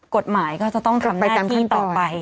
กฎหมายก็จะต้องทำหน้าที่ต่อไป